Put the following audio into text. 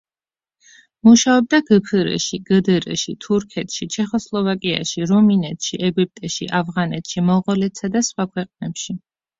მუშაობდა გფრ-ში, გდრ-ში, თურქეთში, ჩეხოსლოვაკიაში, რუმინეთში, ეგვიპტეში, ავღანეთში, მონღოლეთსა და სხვა ქვეყნებში.